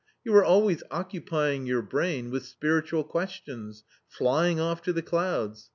You were always occupying your brain with spiritual questions, flying off to the clouds.